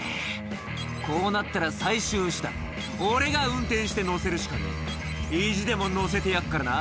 「こうなったら最終手段」「俺が運転して載せるしかねえ意地でも載せてやっからな」